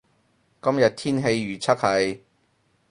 今日天氣預測係